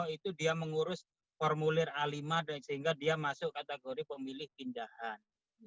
itu dia mengurus formulir a lima sehingga dia masuk kategori pemilih pindahan